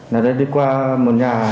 là đây đi qua một nhà